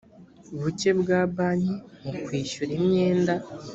buke bwa banki mu kwishyura imyenda